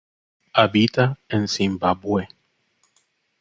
Habita en Zimbabue.